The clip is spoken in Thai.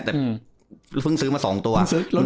แต่เพิ่งซื้อมา๒ตัว